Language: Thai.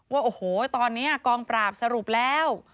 ว่าโอ้โหตอนนี้กองปราบสรุปแล้ว